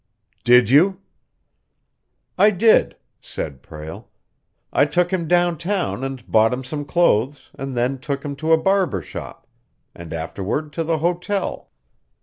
"Did you?" "I did," said Prale. "I took him downtown and bought him some clothes, and then took him to a barber shop, and afterward to the hotel.